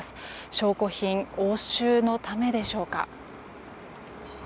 証拠品押収のためでしょうか。